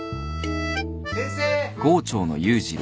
・先生。